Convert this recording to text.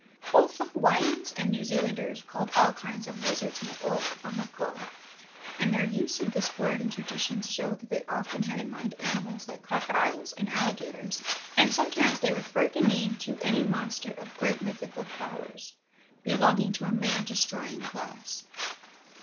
Both the Hawaiians and New Zealanders called all kinds of lizards mo o or mo ko; and their use of this word in traditions showed that they often had in mind animals like crocodiles and alligators, and sometimes they referred the name to any monster of great mythical powers belonging to a man destroying class.